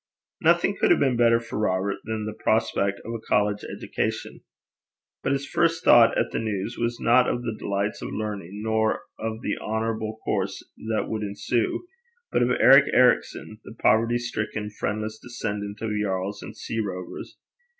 Nothing could have been better for Robert than the prospect of a college education. But his first thought at the news was not of the delights of learning nor of the honourable course that would ensue, but of Eric Ericson, the poverty stricken, friendless descendant of yarls and sea rovers.